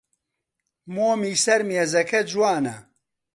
مۆمی سەر مێزەکە جوانە.